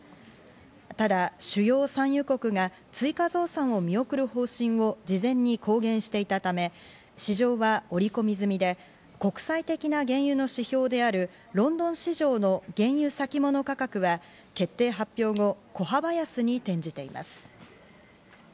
ただ主要産油国が追加増産を見送る方針を事前に公言していたため、市場は織り込み済みで、国際的な原油の指標であるロンドン市場の原油先物価格は決定発表後、小幅安に転じています。